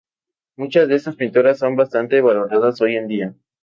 Muchas de estas pinturas son bastante valoradas hoy en día.